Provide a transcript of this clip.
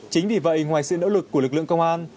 chính vì vậy ngoài sự nỗ lực của lực lượng công an